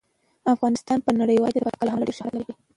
افغانستان په نړیواله کچه د پکتیکا له امله ډیر شهرت لري.